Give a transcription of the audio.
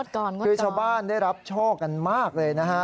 คือชาวบ้านได้รับโชคกันมากเลยนะฮะ